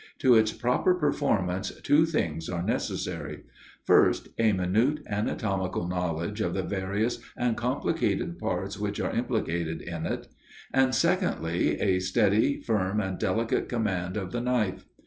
To its proper performance two things are necessary. First, a minute anatomical knowledge of the various and complicated parts which are implicated in it; and secondly, a steady, firm, and delicate command of the knife.